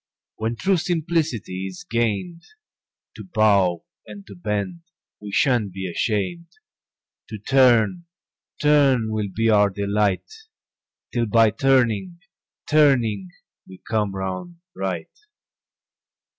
When true simplicity is gain'd, To bow and to bend we shan't be asham'd, To turn, turn will be our delight 'Till by turning, turning we come round right.